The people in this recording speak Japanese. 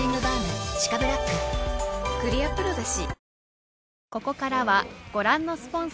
クリアプロだＣ。